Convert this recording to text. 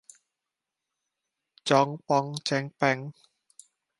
จ๊องป๊องแจ๊งแป๊ง